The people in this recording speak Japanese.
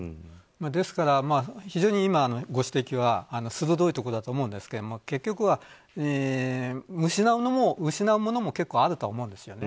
ですから、非常に今のご指摘は鋭いところだと思うんですが結局は、失うものも結構あるとは思うんですよね。